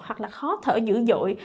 hoặc là khó thở dữ dội